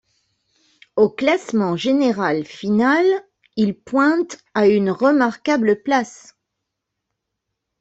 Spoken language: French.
Au classement général final, il pointe à une remarquable place.